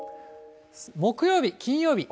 木曜日、金曜日。